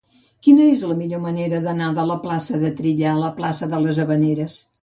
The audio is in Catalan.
Quina és la millor manera d'anar de la plaça de Trilla a la plaça de les Havaneres?